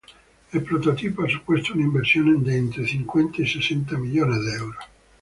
El prototipo ha supuesto una inversión de entre cincuenta y sesenta millones de euros.